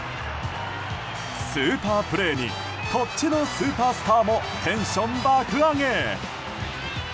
スーパープレーにこっちのスーパースターもテンション爆上げ。